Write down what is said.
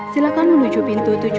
silahkan menuju pintu tujuh belas